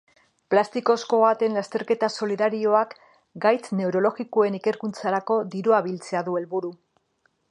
Plastikozko ahateen lasterketa solidarioak gaitz neurologikoen ikerkuntzarako dirua biltzea du helburu.